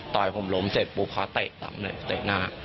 ผมล้มเสร็จปุ๊บเขาเตะหน้า